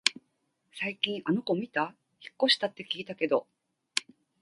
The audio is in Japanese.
最近あの子みた？引っ越したって聞いたけど